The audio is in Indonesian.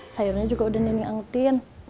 sayurnya juga udah nining angetin